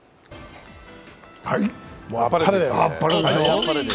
あっぱれでしょう？